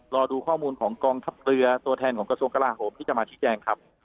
รอดูข้อมูลของกองทัพเรือตัวแทนของกระทรวงกลาโหมที่จะมาชี้แจงครับ